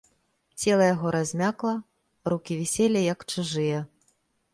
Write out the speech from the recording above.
Цела яго размякла, рукі віселі, як чужыя.